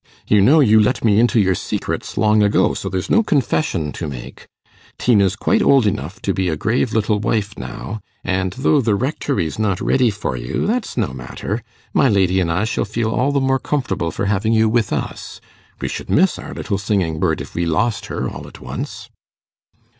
You know you let me into your secrets long ago, so there's no confession to make. Tina's quite old enough to be a grave little wife now; and though the Rectory's not ready for you, that's no matter. My lady and I shall feel all the more comfortable for having you with us. We should miss our little singing bird if we lost her all at once.